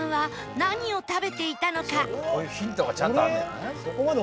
こういうヒントがちゃんとあんねんな。